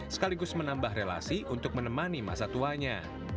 sekaligus menambah relasi untuk menemani masa tuanya